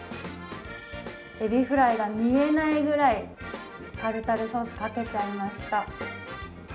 エビフライが見えないぐらい、タルタルソースかけちゃいました。